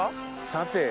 さて。